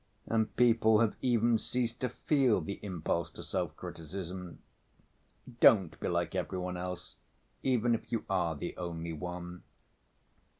And people have even ceased to feel the impulse to self‐ criticism. Don't be like every one else, even if you are the only one."